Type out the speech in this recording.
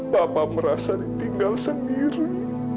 bapak merasa ditinggal sendiri